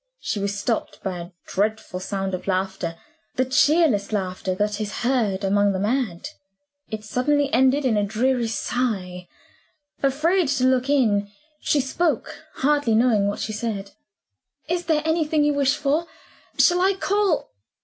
She was stopped by a dreadful sound of laughter the cheerless laughter that is heard among the mad. It suddenly ended in a dreary sigh. Afraid to look in, she spoke, hardly knowing what she said. "Is there anything you wish for? Shall I call